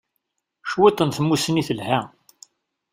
Cwiṭ n tmussni telha.